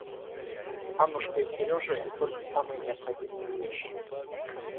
Аннушка и Сережа, и только самые необходимые вещи.